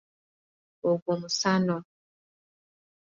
Ogwo musano.